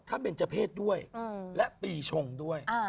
ถ้าเบนเจอร์เพศด้วยและปีชงด้วย